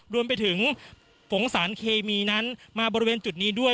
รวมไปถึงฝงสารเคมีนั้นมาบริเวณจุดนี้ด้วย